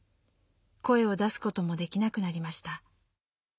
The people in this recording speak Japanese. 声を出すこともできなくなりました。